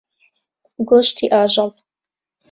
گۆشتی ئاژەڵ.